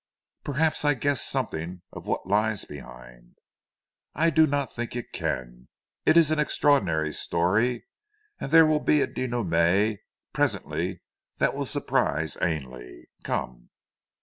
"Perhaps I guess something of what lies behind." "I do not think you can. It is an extraordinary story, and there will be a dénouement presently that will surprise Ainley. Come!"